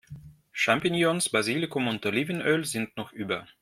Champignons, Basilikum und Olivenöl sind noch über.